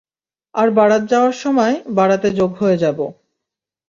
আর বারাত যাওয়ার সময়, বারাতে যোগ হয়ে যাবো।